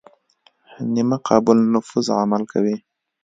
نیمه قابل نفوذ عمل کوي.